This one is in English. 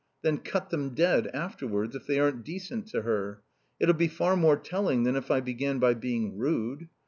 Then cut them dead afterwards if they aren't decent to her. It'll be far more telling than if I began by being rude....